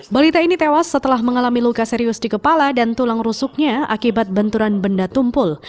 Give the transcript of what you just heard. balita ini tewas setelah mengalami luka serius di kepala dan tulang rusuknya akibat benturan benda tumpul